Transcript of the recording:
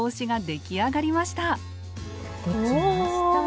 できました。